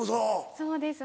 そうですね。